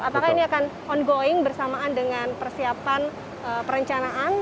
apakah ini akan ongoing bersamaan dengan persiapan perencanaan